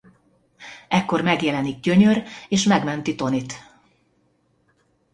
Ekkor megjelenik Gyönyör és megmenti Tonyt.